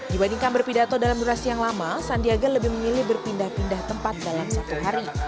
dibandingkan berpidato dalam durasi yang lama sandiaga lebih memilih berpindah pindah tempat dalam satu hari